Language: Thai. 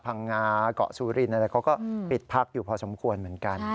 พังงาเกาะซูรินอะไรเขาก็ปิดพักอยู่พอสมควรเหมือนกัน